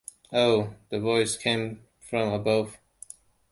“Oh!” The voice came from above.